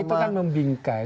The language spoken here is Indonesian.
itu kan membingkai